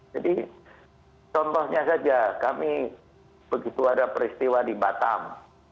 jadi contohnya saja kami begitu ada peristiwa di batam